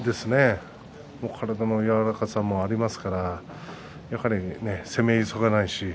体の柔らかさもありますから攻め急がないし。